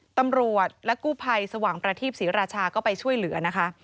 ตำรวจและกู้ภัยสว่างประทีปศรีราชาก็ไปช่วยเหลือนะคะ